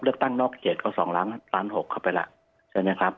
ตั้งนอกเขตก็๒ล้าน๖เข้าไปแล้วใช่ไหมครับ